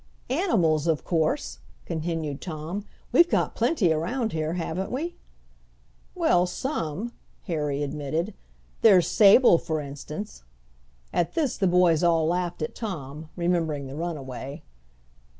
"Animals of course," continued Tom; "we've got plenty around here, haven't we?" "Well, some," Harry admitted. "There's Sable, for instance." At this the boys all laughed at Tom, remembering the runaway.